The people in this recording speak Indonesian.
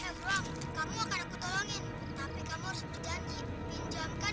hei bu rabe sini kamu berani